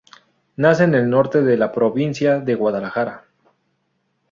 Nace en el norte de la provincia de Guadalajara.